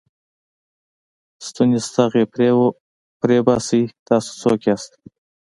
ستونی ستغ یې پرې وباسئ، تاسې څوک یاست؟